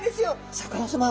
シャーク香音さま